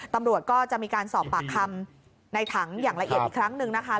ตำรวจก็จะมีการสอบปากคำในถังอย่างละเอียดอีกครั้งหนึ่งนะคะ